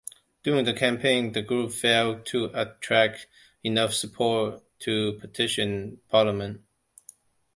During the campaign, the group failed to attract enough support to petition parliament.